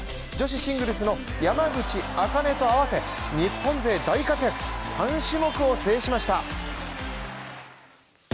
女子シングルスの山口茜と合わせ日本勢大活躍、３種目を制しました。